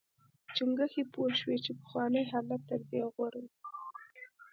چنګښې پوه شوې چې پخوانی حالت تر دې غوره و.